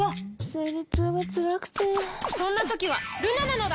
生理痛がつらくてそんな時はルナなのだ！